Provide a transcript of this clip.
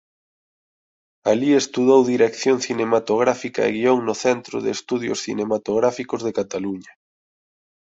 Alí estudou Dirección Cinematográfica e Guión no Centro de Estudios Cinematográficos de Cataluña.